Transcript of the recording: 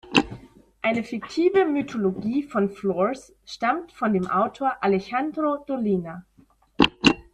Eine fiktive Mythologie von Flores stammt von dem Autor Alejandro Dolina.